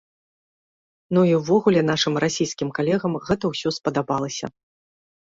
Ну, і ўвогуле нашым расійскім калегам гэта ўсё спадабалася.